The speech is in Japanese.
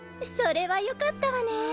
それはよかったわね！